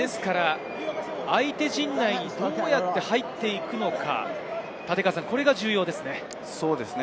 相手陣内にどうやって入っていくのか、これが重要ですね。